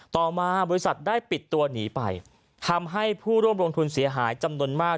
ต่อมาบริษัทได้ปิดตัวหนีไปทำให้ผู้ร่วมลงทุนเสียหายจำนวนมาก